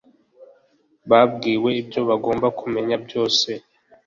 babwiwe ibyo bagomba kumenya byose